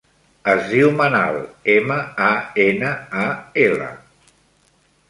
Es diu Manal: ema, a, ena, a, ela.